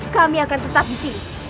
kami akan tetap disini